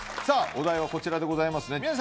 さぁお題はこちらでございますね。